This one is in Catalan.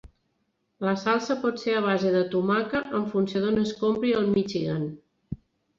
La salsa pot ser a base de tomaca, en funció d'on es compri el Michigan.